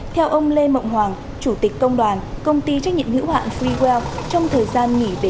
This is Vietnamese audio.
theo ông lê mộng hoàng chủ tịch công đoàn công ty trách nhiệm hữu hạn freewell trong thời gian nghỉ về